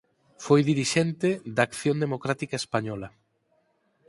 Foi dirixente de Acción Democrática Española.